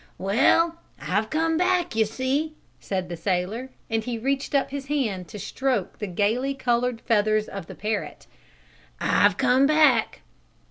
"Well, I've come back, you see!" said the sailor, and he reached up his hand to stroke the gaily colored feathers of the parrot. "I've come back."